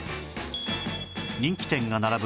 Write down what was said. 人気店が並ぶ